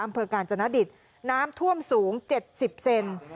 อำเภอกาลจรณดิษฐ์น้ำท่วมสูง๗๐เซนติเซนติเซน